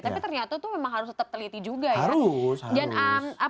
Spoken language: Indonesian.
tapi ternyata itu memang harus tetap teliti juga ya